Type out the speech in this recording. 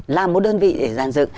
là một đơn vị để giàn dự